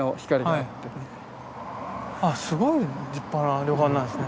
あっすごい立派な旅館なんですね。